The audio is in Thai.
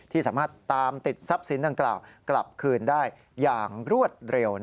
ที่สามารถตามติดทรัพย์สินดังกล่าวกลับคืนได้อย่างรวดเร็ว